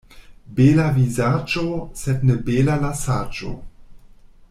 Bela vizaĝo, sed ne bela la saĝo.